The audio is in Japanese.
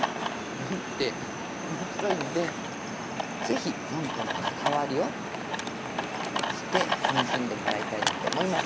本って面白いんで是非本との関わりを知って楽しんでもらいたいなと思います。